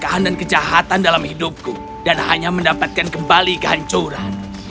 saya menerima kekerokan dan kejahatan dalam hidupku dan hanya mendapatkan kembali kehancuran